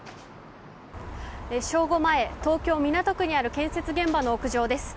正午前、東京・港区にある建設現場の屋上です。